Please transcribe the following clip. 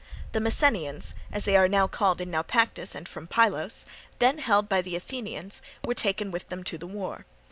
The Messenians, as they are now called in Naupactus and from Pylos, then held by the Athenians, were taken with them to the war.